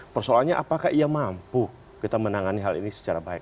persoalannya apakah ia mampu kita menangani hal ini secara baik